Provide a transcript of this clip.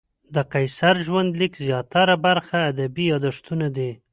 د قیصر ژوندلیک زیاته برخه ادبي یادښتونه دي.